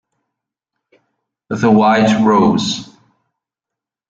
The White Rose